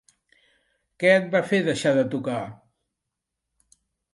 Què et va fer deixar de tocar?